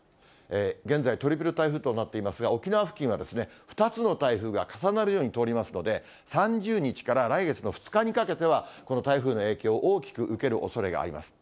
現在、トリプル台風となっていますが、沖縄付近は２つの台風が重なるように通りますので、３０日から来月の２日にかけては、この台風の影響を大きく受けるおそれがあります。